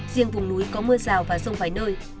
riêng vùng núi có mưa rào và rông vài nơi